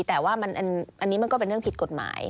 แต่ว่าอันนี้มันก็เป็นเรื่องผิดกฎหมาย